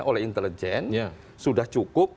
oleh intelijen sudah cukup